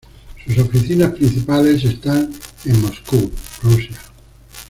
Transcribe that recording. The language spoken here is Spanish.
Sus oficinas principales están en Moscú, Rusia.